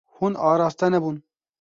Hûn araste nebûn.